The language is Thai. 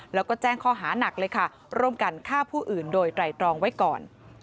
แล้วก็แจ้งข้อหานักเลยค่ะร่วมกันฆ่าผู้อื่นโดยไตรตรองไว้ก่อน